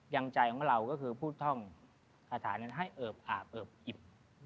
ยังใจของเราก็คือผู้ท่องคาถานั้นให้เอิบอาบเอิบอิ่ม